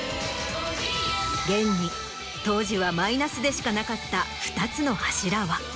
現に当時はマイナスでしかなかった２つの柱は。